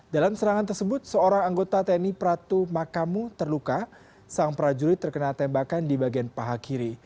dalam serangan tersebut seorang anggota tni pratu makamu terluka sang prajurit terkena tembakan di bagian paha kiri